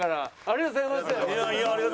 ありがとうございます。